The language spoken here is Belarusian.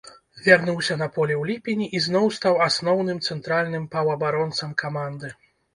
Вярнуўся на поле ў ліпені і зноў стаў асноўным цэнтральным паўабаронцам каманды.